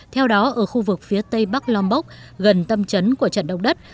theo đó ở khu vực phía tây bắc lombok gần tâm chấn của trận động đất